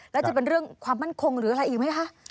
แล้วจะเป็นเรื่องความมั่นคงหรืออะไรอีกไหมคะ